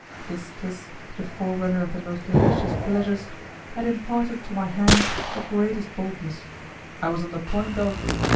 This kiss, the forerunner of the most delicious pleasures, had imparted to my hands the greatest boldness; I was on the point of....